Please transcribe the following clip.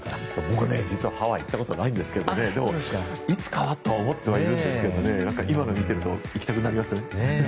僕、実はハワイに行ったことないんですけどでも、いつかはと思ってはいるんですけど今のを見ていると行きたくなりますね。